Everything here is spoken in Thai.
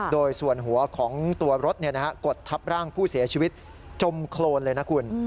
โดยส่วนหัวของตัวรถกดทับร่างผู้เสียชีวิตจมโครนเลยนะคุณ